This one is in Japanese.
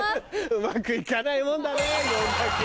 うまくいかないもんだね。